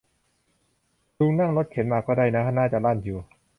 ลุงนั่งรถเข็นมาก็ได้นะ น่าจะลั่นอยู่